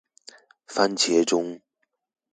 番茄鐘